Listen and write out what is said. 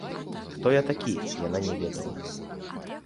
Хто я такі, яна не ведала.